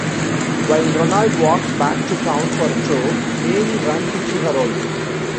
While Ronald walks back to town for a tow, Mary runs into Harold.